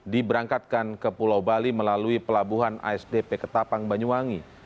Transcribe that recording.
diberangkatkan ke pulau bali melalui pelabuhan asdp ketapang banyuwangi